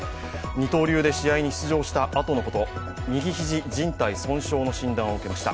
二刀流で試合に出場したあとのこと、右肘じん帯損傷の診断を受けました。